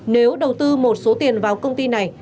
nếu đầu tư một số tiền vào công ty này